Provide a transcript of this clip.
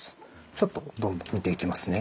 ちょっとどんどん見ていきますね。